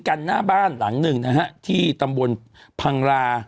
คัทวอบรรดิอายุซาด๋า